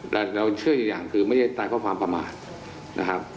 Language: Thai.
แต่เราเชื่ออยู่อย่างคือไม่ได้ตายเพราะความประมาทนะครับ